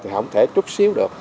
thì không thể chút xíu được